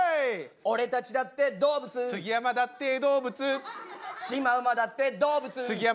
「俺たちだって動物」「杉山だって動物」「シマウマだって動物」「杉山